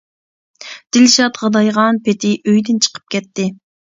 دىلشات غادايغان پېتى ئۆيدىن چىقىپ كەتتى.